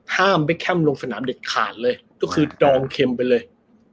เบคแคมลงสนามเด็ดขาดเลยก็คือดองเข็มไปเลย